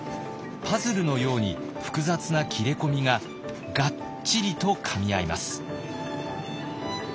パズルのように複雑な切れ込みががっちりとかみ合います。